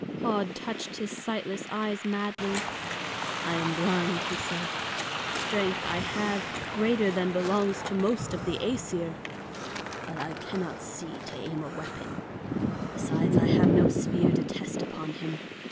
Höd touched his sightless eyes madly. "I am blind," he said. "Strength I have, greater than belongs to most of the Æsir. But I cannot see to aim a weapon. Besides, I have no spear to test upon him.